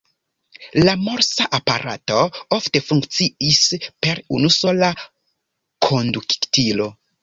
La Morsa-aparato ofte funkciis per unusola konduktilo.